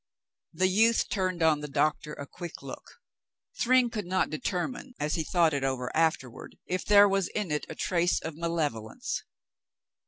The youth turned on the doctor a quick look. Thryng could not determine, as he thought it over afterward, if there was in it a trace of malevolence.